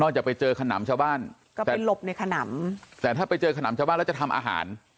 จากไปเจอขนำชาวบ้านก็ไปหลบในขนำแต่ถ้าไปเจอขนำชาวบ้านแล้วจะทำอาหาร